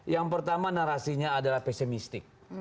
yang pertama narasinya adalah pesimistik